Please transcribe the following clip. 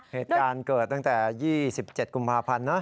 เหตุการณ์เกิดตั้งแต่๒๗กุมภาพันธ์นะ